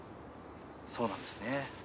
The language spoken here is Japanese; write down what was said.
そうなんですね。